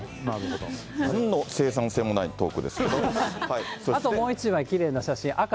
なんの生産性もないトークであともう一枚、きれいな写真。